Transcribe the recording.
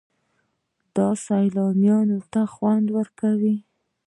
دا سیلانیانو ته خوند ورکوي.